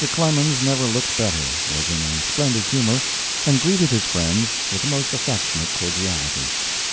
Clemens never looked better, was in a splendid humor, and greeted his friends with the most affectionate cordiality.